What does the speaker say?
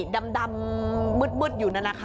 ดำมืดอยู่